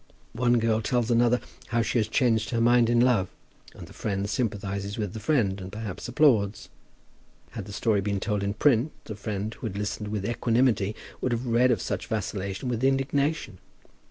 One girl tells another how she has changed her mind in love; and the friend sympathizes with the friend, and perhaps applauds. Had the story been told in print, the friend who had listened with equanimity would have read of such vacillation with indignation.